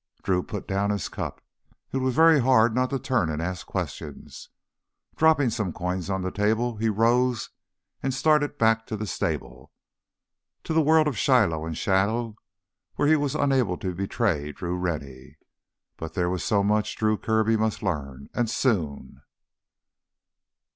Drew put down his cup. It was very hard not to turn and ask questions. Dropping some coins on the table, he rose and started back to the stable, to the world of Shiloh and Shadow where he was unable to betray Drew Rennie. But there was so much Drew Kirby must learn—and soon!